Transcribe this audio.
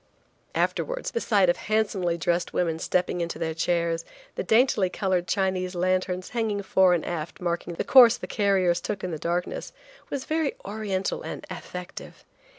Afterwards, the sight of handsomely dressed women stepping into their chairs, the daintily colored Chinese lanterns, hanging fore and aft, marking the course the carriers took in the darkness, was very oriental and affective.